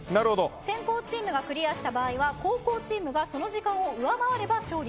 先攻チームがクリアした場合は後攻チームがその時間を上回れば勝利。